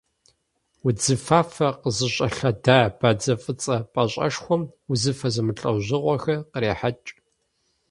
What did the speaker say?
Удзыфафэ къызыщӏэлъадэ бадзэ фӏыцӏэ пӏащӏэшхуэм узыфэ зэмылӏэужьыгъуэхэр кърехьэкӏ.